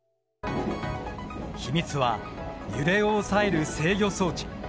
秘密は揺れを抑える制御装置。